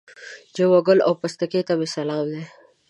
جمعه ګل او پستکي ته مې سلام دی.